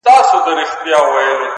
• چنګ دي کم رباب دي کم سارنګ دي کم,